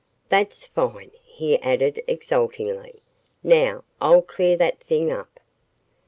"That's fine," he added, exultingly. "Now, I'll clear that thing up."